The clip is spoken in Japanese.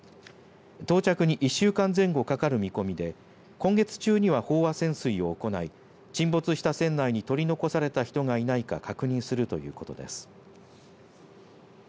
到着に１週間前後かかる見込みで今月中には飽和潜水を行い沈没した船内に取り残された人がいないか確認するということです。